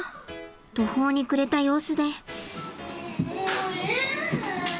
途方に暮れた様子で。